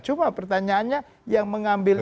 cuma pertanyaannya yang mengambil